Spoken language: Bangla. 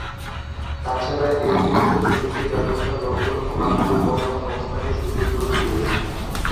তাছাড়া এই তথ্য প্রযুক্তি ব্যবস্থা লক্ষ লক্ষ মানুষের কর্মসংস্থানের সুযোগ করে দিয়েছে।